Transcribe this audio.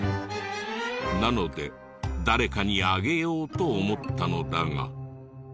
なので誰かにあげようと思ったのだが。